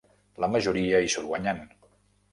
La majoria hi surt guanyant.